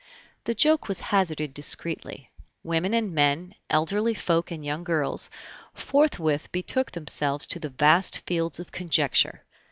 The joke was hazarded discreetly. Women and men, elderly folk and young girls, forthwith betook themselves to the vast fields of conjecture.